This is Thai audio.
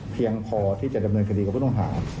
เพียงพอที่จะดำเนินคดีกับผู้ต้องหา